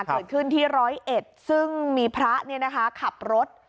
เกิดขึ้นที่ร้อยเอ็ดซึ่งมีพระขับรถ